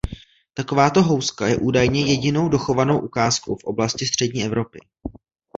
Takováto houska je údajně jedinou dochovanou ukázkou v oblasti střední Evropy.